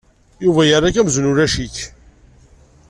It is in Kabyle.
Yuba yerra-k amzun ulac-ik.